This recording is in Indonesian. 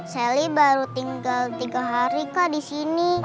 sally baru tinggal tiga hari kak di sini